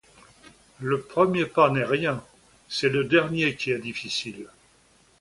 Le premier pas n'est rien; c'est le dernier qui est difficile.